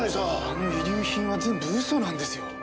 あの遺留品は全部嘘なんですよ。